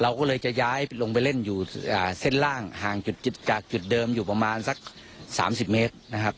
เราก็เลยจะย้ายลงไปเล่นอยู่เส้นล่างห่างจุดจากจุดเดิมอยู่ประมาณสัก๓๐เมตรนะครับ